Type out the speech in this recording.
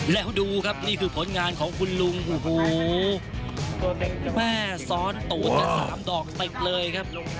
แล้วดูครับนี่คือผลงานของคุณลุงโหสร้อนตูนแล้วกับสามดอกติดเลยครับ